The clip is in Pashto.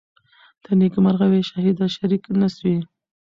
ته نیکمرغه وې شهیده شریک نه سوې